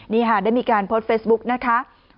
นี่ค่ะได้มีการโพสต์เฟซบุ๊กนะคะ